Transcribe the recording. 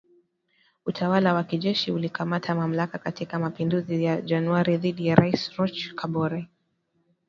Utawala wa kijeshi ulikamata mamlaka katika mapinduzi ya Januari dhidi ya Raisi Roch Kabore